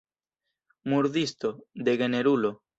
Murdisto, degenerulo.